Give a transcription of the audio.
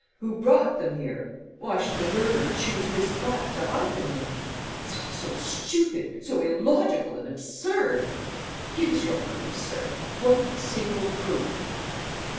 Who brought them here? Why should the murderer choose this flat to hide them in? It's all so stupid, so illogical and absurd!... Give us your proofs, sir ... one single proof!"